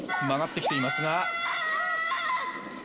曲がってきていますが。